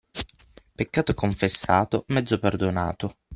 Peccato confessato, mezzo perdonato.